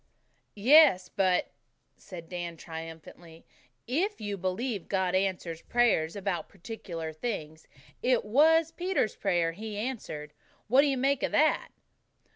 "Yes, but," said Dan triumphantly, "if you believe God answers prayers about particular things, it was Peter's prayer He answered. What do you make of that?"